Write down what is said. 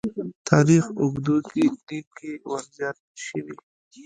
تاریخ اوږدو کې دین کې ورزیات شوي.